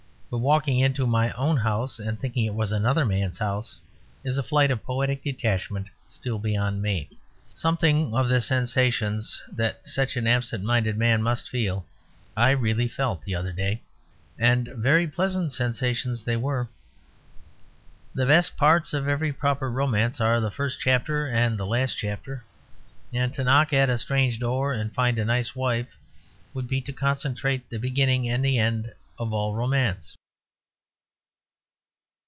But walking into my own house and thinking it was another man's house is a flight of poetic detachment still beyond me. Something of the sensations that such an absent minded man must feel I really felt the other day; and very pleasant sensations they were. The best parts of every proper romance are the first chapter and the last chapter; and to knock at a strange door and find a nice wife would be to concentrate the beginning and end of all romance.